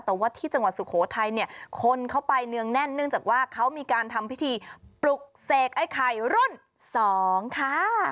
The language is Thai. แต่ว่าที่จังหวัดสุโขทัยเนี่ยคนเข้าไปเนืองแน่นเนื่องจากว่าเขามีการทำพิธีปลุกเสกไอ้ไข่รุ่นสองค่ะ